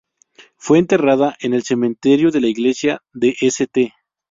Fue enterrada en el cementerio de la Iglesia de St.